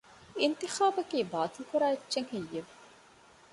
އިންތިޚާބަކީ ބާތިލްކުރާ އެއްޗެއް ހެއްޔެވެ؟